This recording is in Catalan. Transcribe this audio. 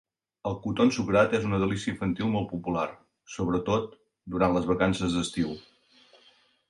El cotó ensucrat és una delícia infantil molt popular, sobretot durant les vacances d'estiu.